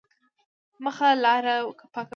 مخه لاره پاکوي.